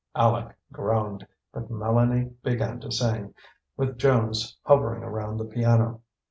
Aleck groaned, but Mélanie began to sing, with Jones hovering around the piano.